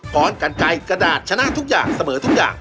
กันไกลกระดาษชนะทุกอย่างเสมอทุกอย่าง